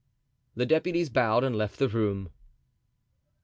The deputies bowed and left the room.